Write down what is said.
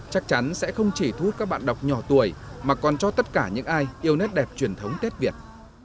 chắc chắn sẽ không chỉ thu hút các bạn đọc nhỏ tuổi mà còn cho tất cả những ai yêu nét đẹp truyền thống tết việt